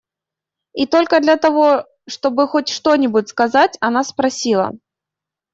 И только для того, чтобы хоть что-нибудь сказать, она спросила: